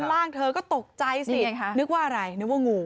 ร่างเธอก็ตกใจสิคะนึกว่าอะไรนึกว่างู